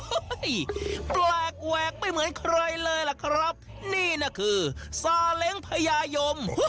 แปลกแหวกไม่เหมือนใครเลยล่ะครับนี่น่ะคือซาเล้งพญายม